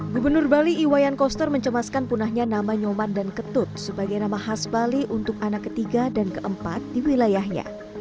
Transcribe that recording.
gubernur bali iwayan koster mencemaskan punahnya nama nyoman dan ketut sebagai nama khas bali untuk anak ketiga dan keempat di wilayahnya